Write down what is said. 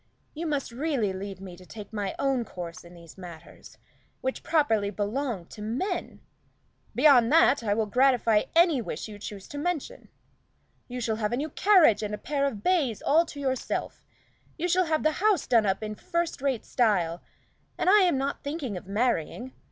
You must leave me to take my own course in these matters, which properly belong to men. Beyond that, I will gratify any wish you may choose to mention. You shall have a new carriage and a pair of bays all to yourself; you shall have the house done up in first rate style, and I am not thinking of marrying.